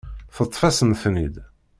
Teṭṭef-asent-ten-id.